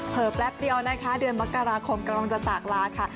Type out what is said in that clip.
แป๊บเดียวนะคะเดือนมกราคมกำลังจะจากลาค่ะ